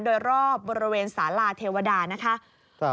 โดยรอบบริเวณสาลาเทวดานะคะ